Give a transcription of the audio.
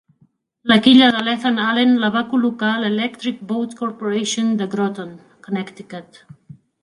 La quilla de l'"Ethan Allen" la va col·locar l'Electric Boat Corporation de Groton, Connecticut.